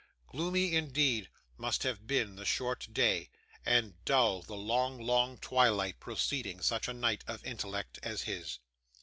Gloomy, indeed, must have been the short day, and dull the long, long twilight, preceding such a night of intellect as his.